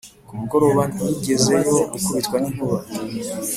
ku mugoroba ntigezeyo ikubitwa n'inkuba